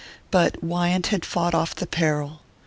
But Wyant had fought off the peril.